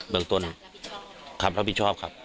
เมืองต้นคำรับผิดชอบครับ